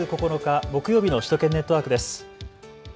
２月９日木曜日の首都圏ネットワークです。